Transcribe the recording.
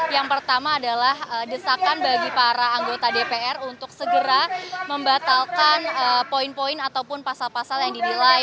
yang pertama adalah desakan bagi para anggota dpr untuk segera membatalkan poin poin ataupun pasal pasal yang dinilai